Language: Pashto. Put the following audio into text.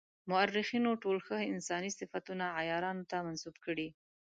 مورخینو ټول ښه انساني صفتونه عیارانو ته منسوب کړي.